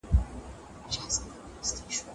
هغه وويل چي واښه مهمه ده.